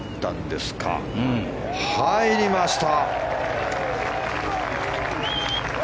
入りました。